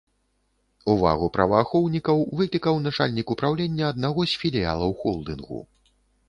Увагу праваахоўнікаў выклікаў начальнік упраўлення аднаго з філіялаў холдынгу.